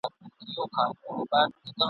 نه ټګي د مولویانو نه بدمرغه واسکټونه ..